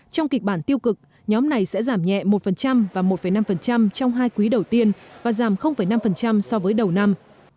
trong kịch bản tiêu cực nhóm này sẽ giảm nhẹ một và một năm trong hai quý đầu tiên và giảm năm so với đầu năm